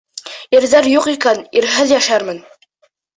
Ирҙәр юҡ икән, ирһеҙ йәшәрмен!